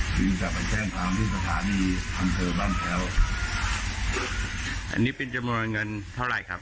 จึงจะไปแจ้งความที่สถานีอันเตอร์บ้านแท้วอันนี้เป็นจำวันเงินเท่าไรครับ